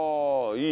いい！